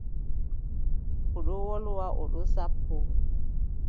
O ɗon wolwa o ɗon sappoo.